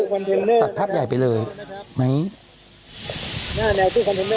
คอนเทนเนอร์ตัดภาพใหญ่ไปเลยไหมหน้าแนวตู้คอนเทนเนอร์